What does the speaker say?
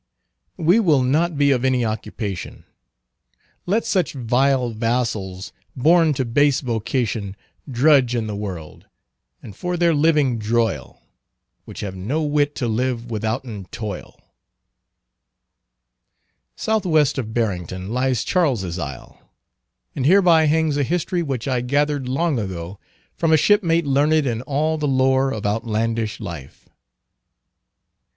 We will not be of any occupation, Let such vile vassals, born to base vocation, Drudge in the world, and for their living droyle, Which have no wit to live withouten toyle. Southwest of Barrington lies Charles's Isle. And hereby hangs a history which I gathered long ago from a shipmate learned in all the lore of outlandish life.